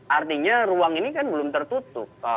artinya ruang ini kan belum tertutup